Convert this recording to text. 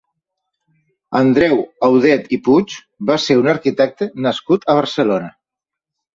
Andreu Audet i Puig va ser un arquitecte nascut a Barcelona.